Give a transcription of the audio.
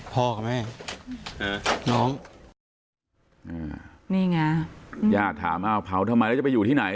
กับแม่เออน้องนี่ไงญาติถามอ้าวเผาทำไมแล้วจะไปอยู่ที่ไหน